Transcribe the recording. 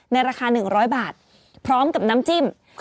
ราคา๑๐๐บาทพร้อมกับน้ำจิ้ม